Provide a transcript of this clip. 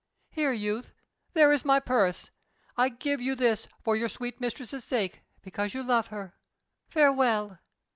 "Here, youth, there is my purse. I give you this for your sweet mistress's sake, because you love her. Farewell!"